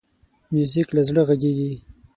موزیک له زړه غږېږي.